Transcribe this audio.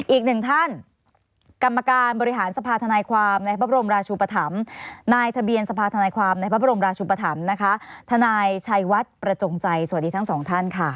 อีกหนึ่งท่านกรรมการบริหารสภาธนายความในพระบรมราชุปธรรมนายทะเบียนสภาธนายความในพระบรมราชุปธรรมนะคะทนายชัยวัดประจงใจสวัสดีทั้งสองท่านค่ะ